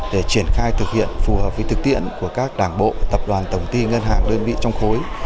để triển khai thực hiện phù hợp với thực tiễn của các đảng bộ tập đoàn tổng ti ngân hàng đơn vị trong khối